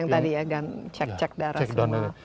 yang tadi ya dan cek cek darah semua